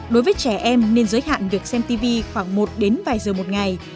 đối với trẻ em nên giới hạn việc xem tv khoảng một đến vài giờ một ngày